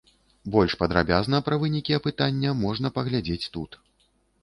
Больш падрабязна пра вынікі апытання можна паглядзець тут.